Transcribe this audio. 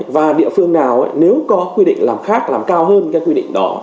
và địa phương nào nếu có quy định làm khác làm cao hơn cái quy định đó